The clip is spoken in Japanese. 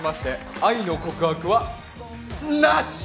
愛の告白はなし！